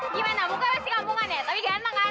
gimana muka masih kampungan ya tapi dia enak kan